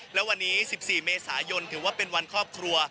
และวันนี้๑๔เมษายนถือว่าเป็นวันครอบครัว